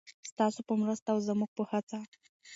ستاسو په مرسته او زموږ په هڅه.